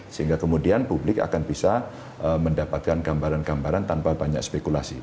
sehingga kemudian publik akan bisa mendapatkan gambaran gambaran tanpa banyak spekulasi